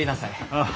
ああ。